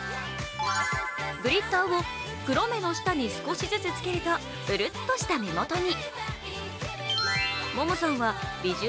グリッターを黒目の下に少しずつつけるとうるっとした目元に。